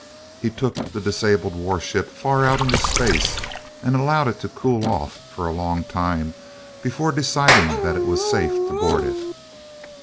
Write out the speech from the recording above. He took the disabled warship far out into space and allowed it to cool off for a long time before deciding that it was safe to board it.